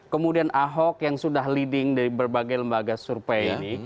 kemudian ahok yang sudah leading dari berbagai lembaga survei ini